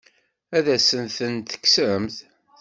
Ad asen-ten-tekksemt?